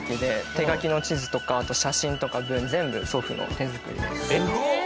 手描きの地図とかあと写真とか文全部祖父の手作りらしくて。